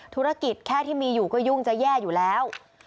ธุรกิจแค่ที่มีอยู่ก็ยุ่งจะแย่อยู่แล้ว